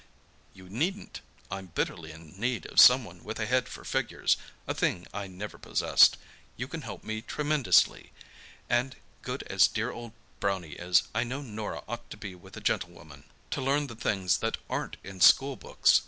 "You needn't. I'm bitterly in need of someone with a head for figures—a thing I never possessed. You can help me tremendously. And, good as dear old Brownie is, I know Norah ought to be with a gentlewoman—to learn the things that aren't in school books.